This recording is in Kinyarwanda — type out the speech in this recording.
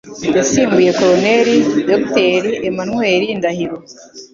yasimbuye Colonel Dr. Emmanuel Ndahiro,